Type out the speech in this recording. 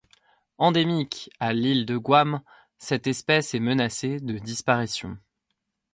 Endémique à l'île de Guam, cette espèce est menacée de disparition.